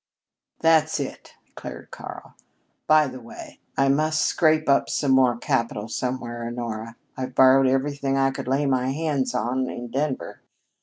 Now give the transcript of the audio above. "That's it," declared Karl. "By the way, I must scrape up some more capital somewhere, Honora. I've borrowed everything I could lay my hands on in Denver.